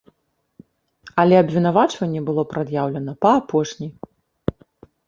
Але абвінавачванне было прад'яўлена па апошняй.